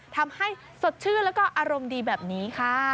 ทำให้สดชื่นแล้วก็อารมณ์ดีแบบนี้ค่ะ